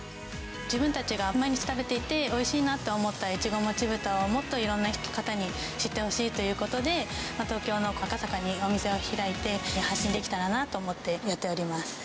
自分たちが毎日食べていて、おいしいなと思った越後もちぶたを、もっといろんな方に知ってほしいということで、東京の赤坂にお店を開いて、発信できたらなと思って、やっております。